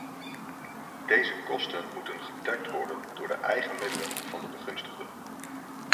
Deze kosten moeten gedekt worden door de eigen middelen van de begunstigden.